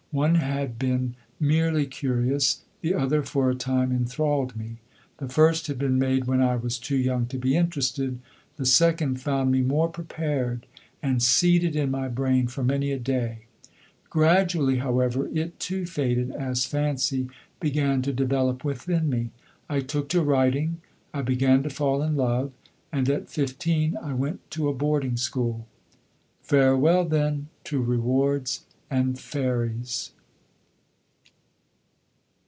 One had been merely curious, the other for a time enthralled me. The first had been made when I was too young to be interested. The second found me more prepared, and seeded in my brain for many a day. Gradually, however, it too faded as fancy began to develop within me. I took to writing, I began to fall in love; and at fifteen I went to a boarding school. Farewell, then, to rewards and fairies!